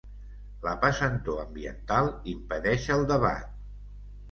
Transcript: La pesantor ambiental impedeix el debat.